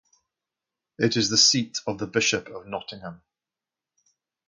It is the seat of the Bishop of Nottingham.